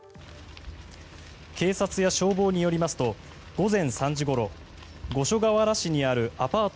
警察や消防によりますと午前３時ごろ五所川原市にあるアパート